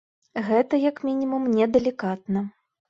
Гэта, як мінімум, не далікатна.